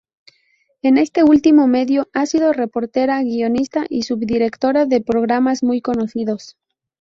En este último medio ha sido reportera, guionista y subdirectora de programas muy conocidos.